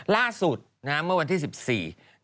ล่าสุดเมื่อวันที่๑๔